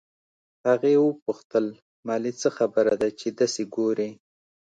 هغې وپوښتل مالې څه خبره ده چې دسې ګورې.